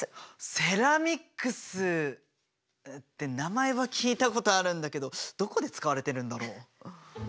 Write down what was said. セラミックスって名前は聞いたことあるんだけどどこで使われてるんだろ？